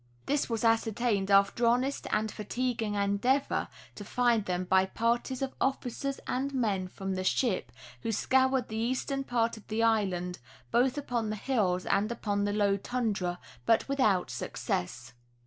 This was ascertained after honest and fatiguing endeavor to find them by parties of officers and men from the ship, who scoured the eastern part of the island, both upon the hills and upon the low tundra, but without success.